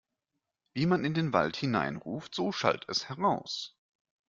Wie man in den Wald hineinruft, so schallt es heraus.